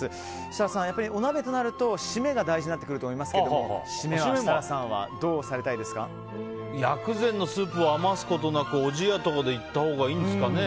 設楽さん、お鍋となると締めが大事となってきますが締めは設楽さんは薬膳のスープを余すことなくおじやとかでいったほうがいいんですかね。